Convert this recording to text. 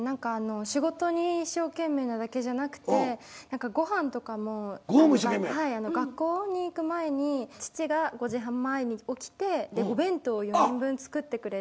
仕事に一生懸命なだけじゃなくてご飯とかも学校に行く前に父が５時半前に起きてお弁当を４人分作ってくれて。